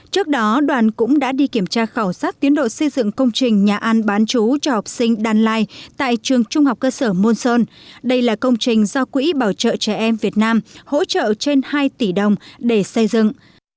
trước đó đoàn cũng đã đi kiểm tra khảo sát tiến độ xây dựng công trình nhà ăn bán chú cho học sinh đan lai tại trường trung học cơ sở môn sơn đây là công trình do quỹ bảo trợ trẻ em việt nam hỗ trợ trên hai tỷ đồng để xây dựng